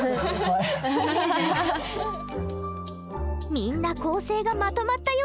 みんな構成がまとまったようです。